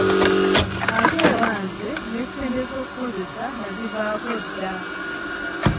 Ate oba nze ne ssente ez’okukozesa nazivaako dda!